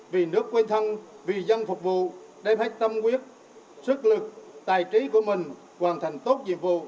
vì nước quên thân vì dân phục vụ đem hết tâm quyết sức lực tài trí của mình hoàn thành tốt nhiệm vụ